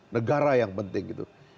negara yang penting gitu